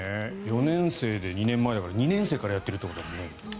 ４年生で２年前だから２年生からやってるってことだね。